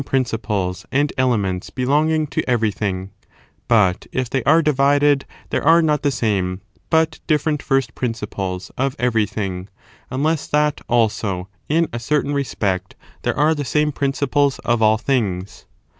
principles and elements belonging to everything ; but, if they are divided, there are not the same, but different first principles of everything, unless that, also, in a certain respect there are the same principles of all things.